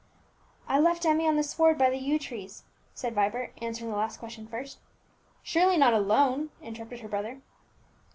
"I left Emmie on the sward by the yew trees," said Vibert, answering the last question first. "Surely not alone?" interrupted his brother.